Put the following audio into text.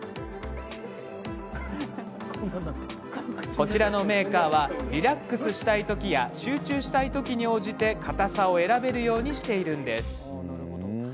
このメーカーはリラックスしたい時や集中したい時に応じてかたさを選べるようにしているんです。